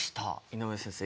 井上先生